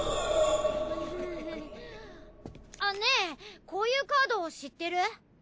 ねえこういうカード知ってる？